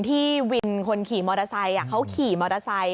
ที่วินคนขี่มอเตอร์ไซค์เขาขี่มอเตอร์ไซค